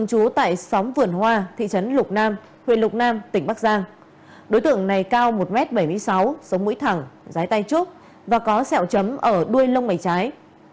công an huyện lục nam tỉnh bắc giang đối tượng này cao một m bảy mươi sáu sống mũi thẳng dái tay trúc và có sẹo chấm ở đuôi lông mầy trái